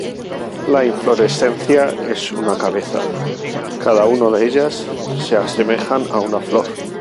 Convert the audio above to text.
La inflorescencia es una cabeza, cada uno de ellas se asemejan a una flor.